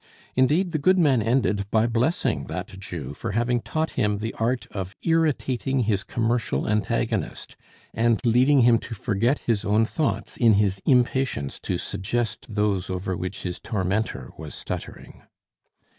Indeed, the goodman ended by blessing that Jew for having taught him the art of irritating his commercial antagonist and leading him to forget his own thoughts in his impatience to suggest those over which his tormentor was stuttering.